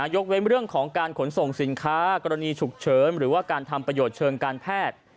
ยกเว้นเรื่องของการขนส่งสินค้ากรณีฉุกเฉินหรือว่าการทำประโยชน์เชิงการแพทย์